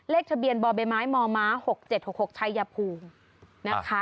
เลขทะเบียนบ่อเบม้ายหมอม้า๖๗๖๖ชายพูง